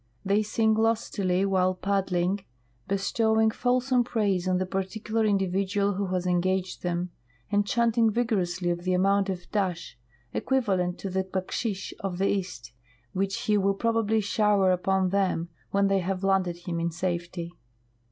They sing lustily while paddling, bestow ing fulsome praise on the particular individual who has engaged them, and chanting vigorously of the amount of " dash," equiva lent to the " bakshish " of the East, which he will probably shower upon them when they have landed him in safety.